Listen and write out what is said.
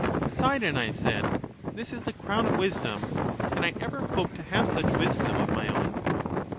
Poseidon, I said, this is the crown of wisdom; can I ever hope to have such wisdom of my own?